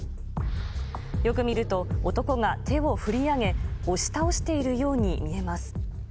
よく見ると、男が手を振り上げ、押し倒しているように見えます。